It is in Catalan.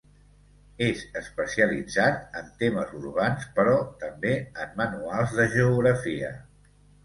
És especialitzat en temes urbans però també en manuals de geografia.